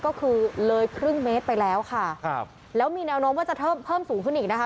ก็คือเลยครึ่งเมตรไปแล้วค่ะครับแล้วมีแนวโน้มว่าจะเพิ่มเพิ่มสูงขึ้นอีกนะคะ